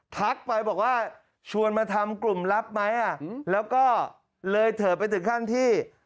ทักไปบอกว่าชวนมาทำกลุ่มลับไหมแล้วก็เลยเถอะไปถึงขั้นที่